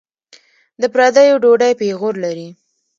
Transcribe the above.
د پردیو ډوډۍ پېغور لري.